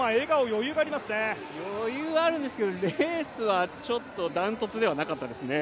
余裕あるんですけどレースはちょっとダントツではなかったですね。